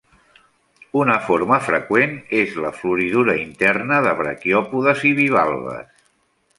Una forma freqüent és la floridura interna de braquiòpodes i bivalves.